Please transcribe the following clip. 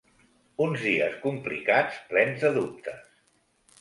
Uns dies complicats, plens de dubtes.